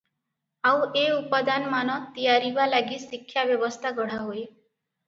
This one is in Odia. ଆଉ ଏ ଉପାଦାନମାନ ତିଆରିବା ଲାଗି ଶିକ୍ଷା ବ୍ୟବସ୍ଥା ଗଢ଼ାହୁଏ ।